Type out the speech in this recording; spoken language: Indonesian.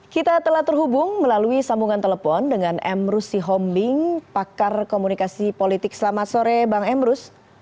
kita telah terhubung melalui sambungan telepon dengan emru sihombing pakar komunikasi politik selamat sore bang emrus